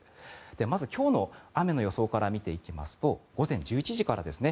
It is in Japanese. まず今日の雨の予想から見ていきますと午前１１時からですね。